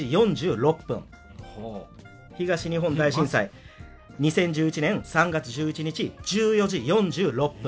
東日本大震災２０１１年３月１１日１４時４６分。